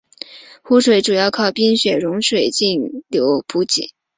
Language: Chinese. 湖水主要靠冰雪融水径流补给。